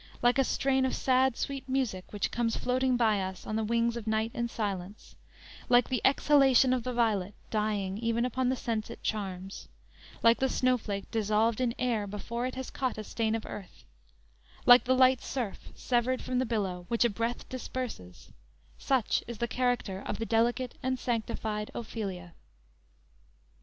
Like a strain of sad, sweet music which comes floating by us on the wings of night and silence, like the exhalation of the violet dying even upon the sense it charms, like the snowflake dissolved in air before it has caught a stain of earth; like the light surf, severed from the billow, which a breath disperses, such is the character of the delicate and sanctified Ophelia."